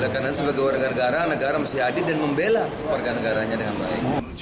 karena sebagai warga negara negara mesti hadir dan membela warga negaranya dengan baik